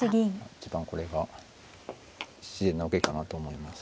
一番これが自然な受けかなと思います。